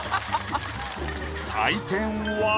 採点は。